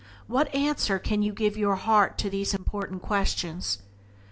What answer can you give your heart to these important questions?